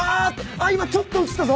あっ今ちょっと写ったぞ。